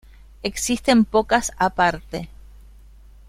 Existen pocas aparte.